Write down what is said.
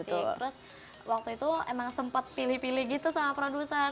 terus waktu itu emang sempat pilih pilih gitu sama produser